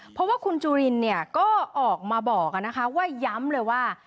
เพราะว่าคุณจุลินเนี่ยก็ออกมาบอกว่าย้ำเลยว่า